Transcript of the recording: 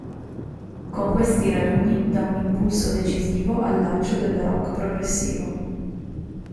Con questi raduni da un impulso decisivo al lancio del rock progressivo.